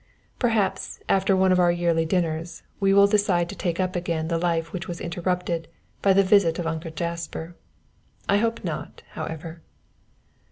Perhaps, after one of our yearly dinners we will decide to take up again the life which was interrupted by the visit of Uncle Jasper. I hope not, however.